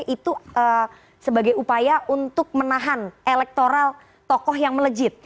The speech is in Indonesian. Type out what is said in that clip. itu sebagai upaya untuk menahan elektoral tokoh yang melejit